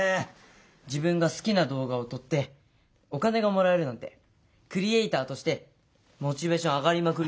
自分が好きな動画を撮ってお金がもらえるなんてクリエーターとしてモチベーション上がりまくりですよ！